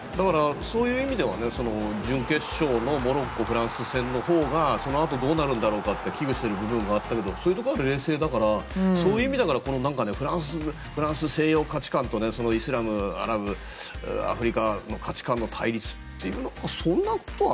そういう意味では準決勝のモロッコ、フランス戦のほうがそのあとどうなるんだろうかって危惧していた部分もあるけどそういうところは冷静だからそういう意味で、フランスの西洋価値観と、イスラム、アラブアフリカの価値観の対立というのはそんなことは。